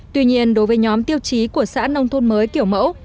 tuy nhiên đối với nhóm tiêu chí của xã nông thôn mới kiểu mẫu